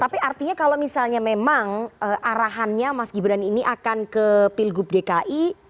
tapi artinya kalau misalnya memang arahannya mas gibran ini akan ke pilgub dki